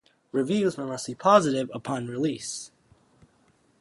Reviews were mostly positive upon release.